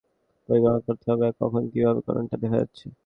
পার্কের ভেতরের ম্যাপ দেখে পরিকল্পনা করতে হবে কখন, কীভাবে কোনটা দেখা যায়।